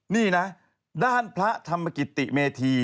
นี่นะด้านพระธรรมกิตติเมธี